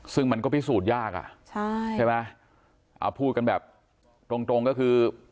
ซึ่งมันก็พิสูจน์ยากใช่ไหมพูดกันแบบตรงก็คือ